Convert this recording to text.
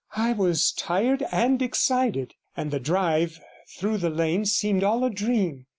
I was tired and excited, and the drive through the lanes seems all a dream.